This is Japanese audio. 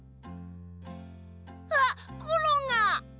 あっコロンが！